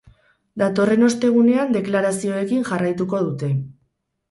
Datorren ostegunean deklarazioekin jarraituko dute.